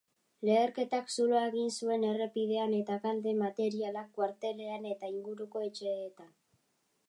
Leherketak zuloa egin zuen errepidean eta kalte materialak kuartelean eta inguruko etxeetan.